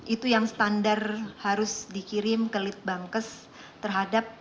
itu yang standar harus dikirim ke lid bangkes terhadap